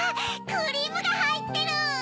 クリームがはいってる！